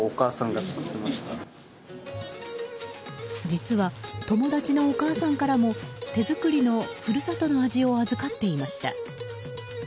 実は、友達のお母さんからも手作りの故郷の味を預かっていました。